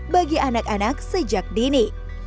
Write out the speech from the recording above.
bagi anak anak sejak dini